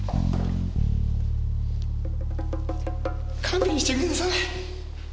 勘弁してください。